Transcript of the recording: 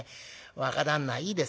若旦那いいですか。